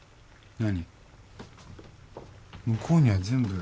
何？